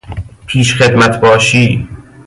پیش خدمت باشی